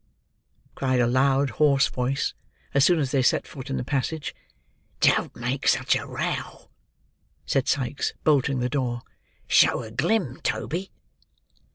cried a loud, hoarse voice, as soon as they set foot in the passage. "Don't make such a row," said Sikes, bolting the door. "Show a glim, Toby."